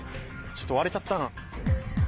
ちょっと割れちゃったな。